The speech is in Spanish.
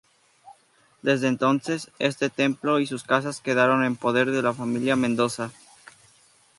Desde entonces, este templo y sus casas quedaron en poder de la familia Mendoza.